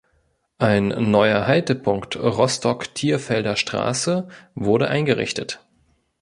Ein neuer Haltepunkt Rostock Thierfelder Straße wurde errichtet.